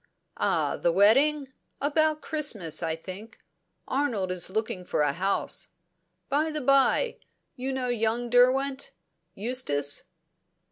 "Ah the wedding? About Christmas, I think. Arnold is looking for a house. By the bye, you know young Derwent Eustace?"